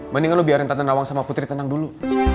mendingan lo biarin tante nawang sama putri tenang dulu